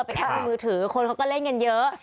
แต่แค่พื้นมือถือคนเขาก็เล่นกันเยอะ